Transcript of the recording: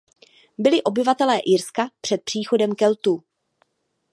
Byli obyvatelé Irska před příchodem Keltů.